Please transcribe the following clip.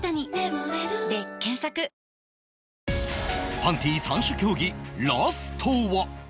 パンティ３種競技ラストは